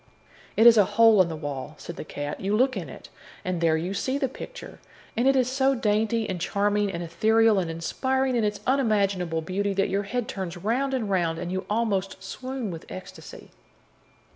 "It is a hole in the wall," said the cat. "You look in it, and there you see the picture, and it is so dainty and charming and ethereal and inspiring in its unimaginable beauty that your head turns round and round, and you almost swoon with ecstasy."